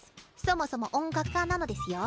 そもそも音楽科なのデスよ。